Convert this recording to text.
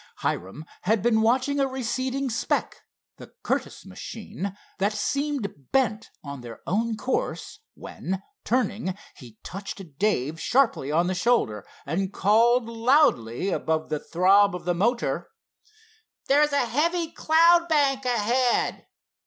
Hiram had been watching a receding speck, the Curtiss machine, that seemed bent on their own course, when, turning, he touched Dave sharply on the shoulder, and called loudly above the throb of the motor: "There's a heavy cloud bank ahead."